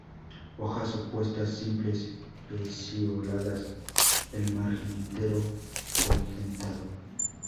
Hojas opuestas, simples, pecioladas, el margen entero o dentado.